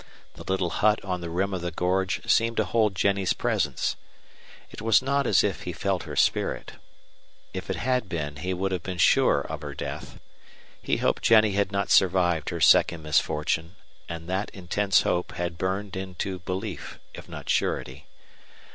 The little hut on the rim of the gorge seemed to hold Jennie's presence. It was not as if he felt her spirit. If it had been he would have been sure of her death. He hoped Jennie had not survived her second misfortune; and that intense hope had burned into belief, if not surety.